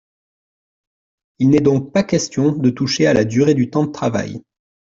Il n’est donc pas question de toucher à la durée du temps de travail.